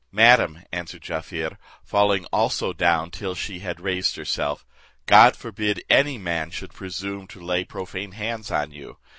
"Madam," answered Jaaffier, falling also down till she had raised herself, "God forbid any man should presume to lay profane hands on you.